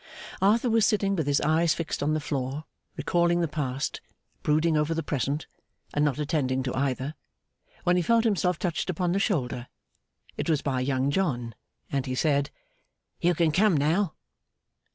Arthur was sitting with his eyes fixed on the floor, recalling the past, brooding over the present, and not attending to either, when he felt himself touched upon the shoulder. It was by Young John; and he said, 'You can come now.